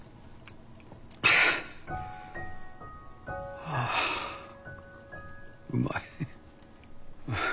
はあはあうまい。